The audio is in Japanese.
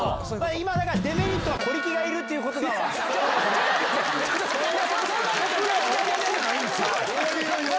今だから、デメリットは小力がいるっていうことだわ。